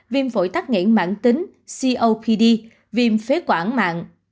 viêm phổi tắc nghẽn mạng tính copd viêm phế quản mạng